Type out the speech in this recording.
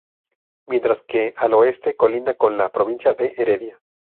Mientras que al oeste colinda con la provincia de Heredia.